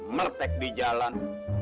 mertek di jalan